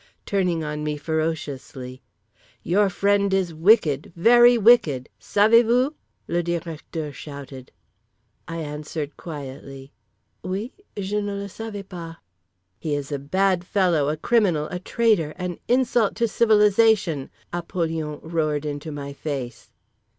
Turning on me ferociously: "Your friend is wicked, very wicked, SAVEZ VOUS?" Le Directeur shouted. I answered quietly: "Oui? Je ne le savait pas." "He is a bad fellow, a criminal, a traitor, an insult to civilization," Apollyon roared into my face.